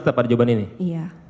tetap ada jawaban ini